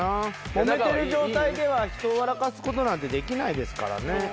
もめてる状態では人を笑かすことなんてできないですからね。